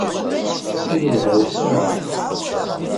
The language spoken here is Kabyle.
I yelha wass-a!